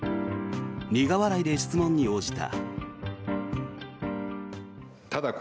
苦笑いで質問に応じた。